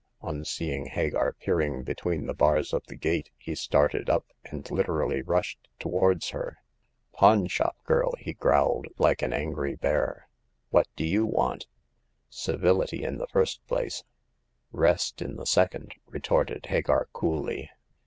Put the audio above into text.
On seeing Hagar peering between the bars of the gate he started up, and literally rushed towards her. *' Pawn shop girl !" he growled, like an angry bear. What do you want ?"_Civility in the first place ; rest in the The Fifth Customer. 137 second !" retorted Hagar, coolly.